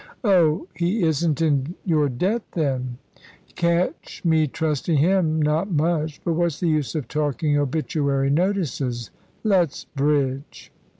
"Oh! He isn't in your debt, then?" "Catch me trusting him not much. But what's the use of talking obituary notices? Let's bridge."